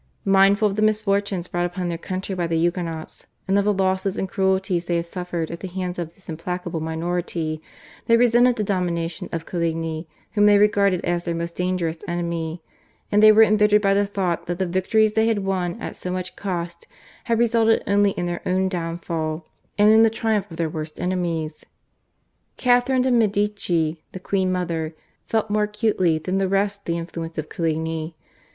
Mindful of the misfortunes brought upon their country by the Huguenots and of the losses and cruelties they had suffered at the hands of this implacable minority, they resented the domination of Coligny, whom they regarded as their most dangerous enemy, and they were embittered by the thought that the victories they had won at so much cost had resulted only in their own downfall and in the triumph of their worst enemies. Catharine de' Medici, the queen mother, felt more acutely than the rest the influence of Coligny.